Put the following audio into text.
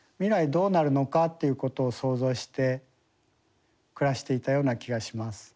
どうなるのかということを想像して暮らしていたような気がします。